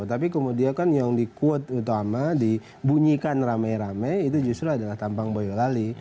tapi kemudian kan yang di quote utama dibunyikan rame rame itu justru adalah tampang boyolali